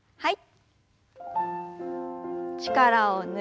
はい。